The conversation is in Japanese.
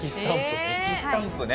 駅スタンプね。